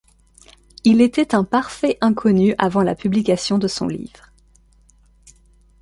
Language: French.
Il était un parfait inconnu avant la publication de son livre.